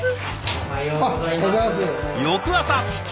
おはようございます。